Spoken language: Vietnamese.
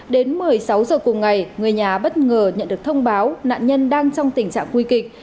đến một mươi sáu giờ cùng ngày người nhà bất ngờ nhận được thông báo nạn nhân đang trong tình trạng nguy kịch